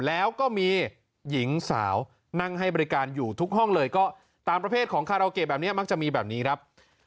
แล้วก็มีหญิงสาวนั่งให้บริการอยู่ทุกห้องเลยก็ตามประเภทของคาราโอเกะแบบนี้มักจะมีแบบนี้ครับ